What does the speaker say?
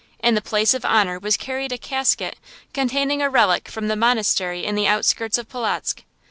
In the place of honor was carried a casket, containing a relic from the monastery in the outskirts of Polotzk.